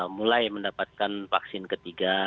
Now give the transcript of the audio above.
mulai mendapatkan vaksin ketiga